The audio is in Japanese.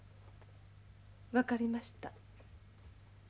分かりました。